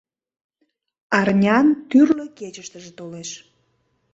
Арнян тӱрлӧ кечыштыже толеш.